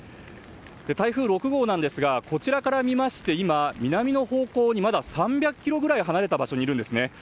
台風６号なんですがこちらから見まして今、南の方向にまだ３００ｋｍぐらい離れた場所にいるんですね。